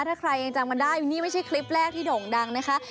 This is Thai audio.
ถ้าใครยังจำกันได้นี่ไม่ใช่คลิปแรกที่โด่งดังนะคะ